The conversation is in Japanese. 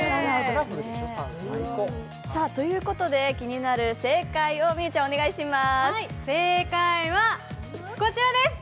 ということで気になる正解を美羽ちゃん、お願いします。